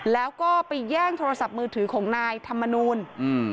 แล้วก็ไปแย่งโทรศัพท์มือถือของนายธรรมนูลอืม